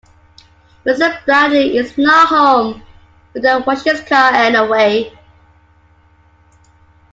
Mr. Bradly is not home, but they wash his car, anyway.